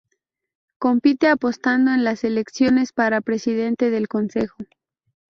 Compite apostando en las elecciones para presidente del consejo.